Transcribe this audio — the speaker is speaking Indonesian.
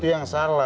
itu yang salah